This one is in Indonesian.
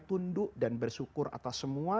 tunduk dan bersyukur atas semua